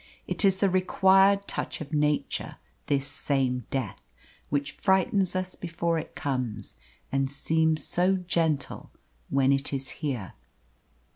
It is the required touch of Nature, this same death, which frightens us before it comes and seems so gentle when it is here.